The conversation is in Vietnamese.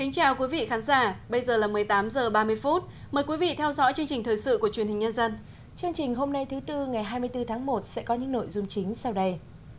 chương trình hôm nay thứ tư ngày hai mươi bốn tháng một sẽ có những nội dung chính sau đây